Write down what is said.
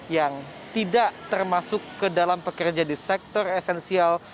yang tidak termasuk ke dalam pekerja di sektor esensial